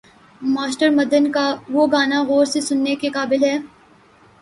Master Madan کا وہ گانا غور سے سننے کے قابل ہے۔